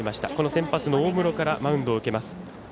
先発の大室からマウンドを受けます。